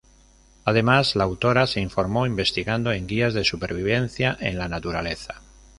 Además, la autora se informó investigando en guías de supervivencia en la naturaleza.